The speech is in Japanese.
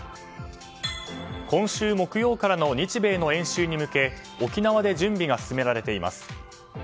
今週木曜からの日米の演習に向け沖縄で準備が進められています。